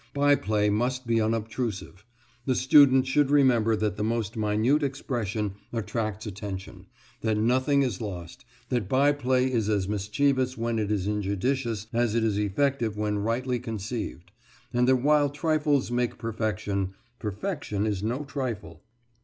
By play must be unobtrusive; the student should remember that the most minute expression attracts attention, that nothing is lost, that by play is as mischievous when it is injudicious as it is effective when rightly conceived, and that while trifles make perfection, perfection is no trifle.